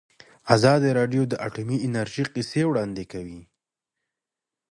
ازادي راډیو د اټومي انرژي کیسې وړاندې کړي.